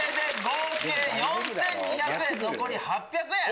合計４２００円残り８００円。